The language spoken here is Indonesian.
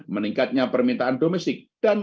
meningkatnya permintaan domestik dan